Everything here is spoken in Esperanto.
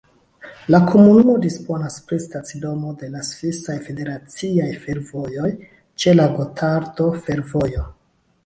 La komunumo disponas pri stacidomo de la Svisaj Federaciaj Fervojoj ĉe la Gotardo-Fervojo.